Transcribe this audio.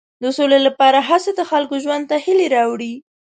د سولې لپاره هڅې د خلکو ژوند ته هیلې راوړي.